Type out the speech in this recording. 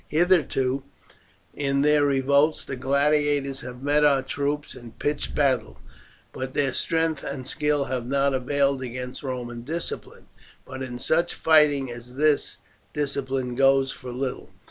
Hitherto in their revolts the gladiators have met our troops in pitched battle, but their strength and skill have not availed against Roman discipline. But in such fighting as this discipline goes for little.